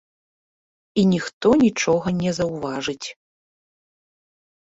І ніхто нічога не заўважыць.